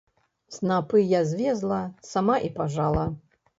Снапы я звезла, сама і пажала.